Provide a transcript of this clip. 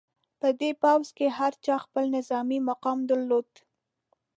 په دې پوځ کې هر چا خپل نظامي مقام درلود.